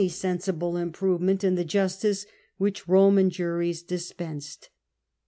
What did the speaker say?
1/6 CRASSUS sensible improvement in the justice which Roman juries dispensed.